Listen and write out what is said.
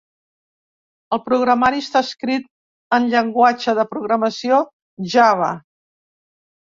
El programari està escrit en llenguatge de programació Java.